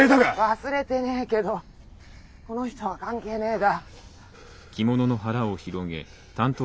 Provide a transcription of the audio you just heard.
忘れてねえけどこの人は関係ねえだ。